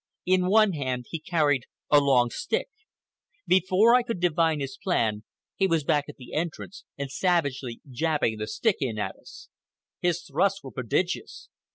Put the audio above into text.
In one hand he carried a long stick. Before I could divine his plan, he was back at the entrance and savagely jabbing the stick in at us. His thrusts were prodigious.